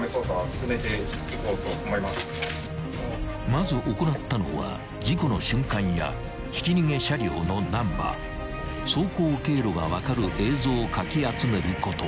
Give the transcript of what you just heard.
［まず行ったのは事故の瞬間やひき逃げ車両のナンバー走行経路が分かる映像をかき集めること］